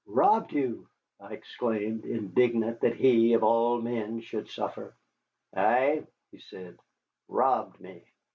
"Robbed you!" I exclaimed, indignant that he, of all men, should suffer. "Ay," he said, "robbed me.